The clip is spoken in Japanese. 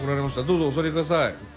どうぞお座りください。